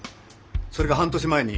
それが半年前に。